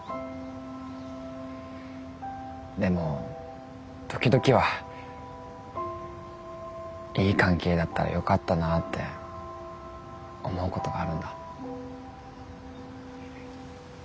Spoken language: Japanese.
でも時々はいい関係だったらよかったなって思うことがあるんだ。